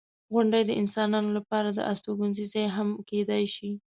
• غونډۍ د انسانانو لپاره د استوګنې ځای هم کیدای شي.